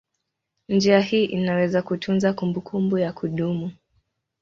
Njia hii inaweza kutunza kumbukumbu ya kudumu.